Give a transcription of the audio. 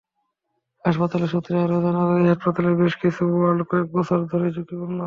হাসপাতাল সূত্রে আরও জানা যায়, হাসপাতালের বেশ কিছু ওয়ার্ড কয়েক বছর ধরেই ঝুঁকিপূর্ণ।